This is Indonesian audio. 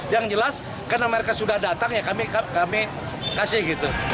yang jelas karena mereka sudah datang kami kasih